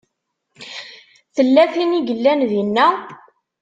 Tella tin i yellan dinna?